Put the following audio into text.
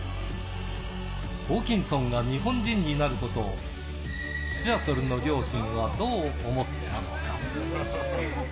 ホーキンソンが日本人になることを、シアトルの両親はどう思ったのか。